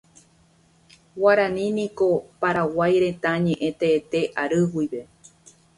Guarani niko Paraguay retã ñeʼẽ teete ary guive.